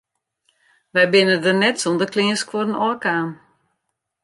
Wy binne der net sûnder kleanskuorren ôfkaam.